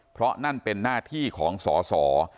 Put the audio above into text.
เพราะนั่นเป็นหน้าที่ของสอสอ